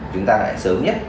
chúng ta lại sớm nhất